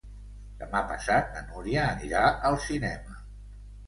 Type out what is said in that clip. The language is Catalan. Demà passat na Núria anirà al cinema.